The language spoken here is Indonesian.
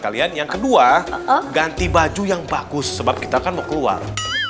kalian yang kedua ganti baju yang bagus sebab kita kan mau keluar